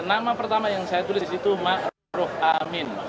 nama pertama yang saya tulis di situ ma'ruf amin